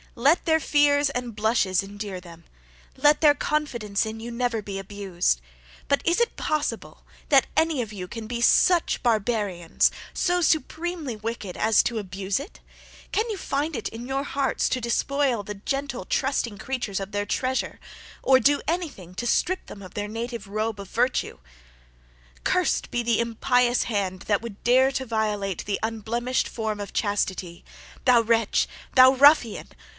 Let their fears and blushes endear them. Let their confidence in you never be abused. But is it possible, that any of you can be such barbarians, so supremely wicked, as to abuse it? Can you find in your hearts* to despoil the gentle, trusting creatures of their treasure, or do any thing to strip them of their native robe of virtue? Curst be the impious hand that would dare to violate the unblemished form of Chastity! Thou wretch! thou ruffian!